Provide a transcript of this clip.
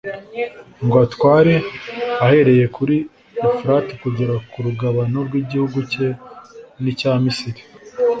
ngo atware ahereye kuri efurati kugera ku rugabano rw'igihugu cye n'icya misiri